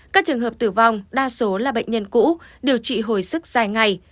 các trường hợp tử vong đa số là bệnh nhân cũ điều trị hồi sức dài ngày